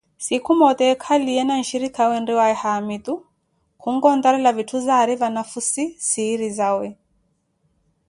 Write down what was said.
Siiku moote ekaliye na nshirikaawe enriwaaye haamitu, khunkontarela vithu zari vanafhussi siiri zawe.